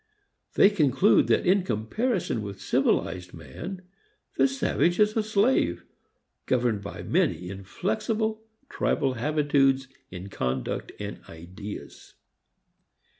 They conclude that in comparison with civilized man the savage is a slave, governed by many inflexible tribal habitudes in conduct and ideas.